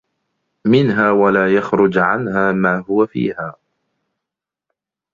مِنْهَا وَلَا يَخْرُجَ عَنْهَا مَا هُوَ فِيهَا